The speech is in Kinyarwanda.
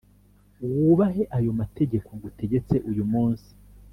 wubahe ayo mategeko ngutegetse uyu munsi